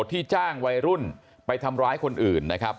ที่จ้างวัยรุ่นไปทำร้ายคนอื่นนะครับ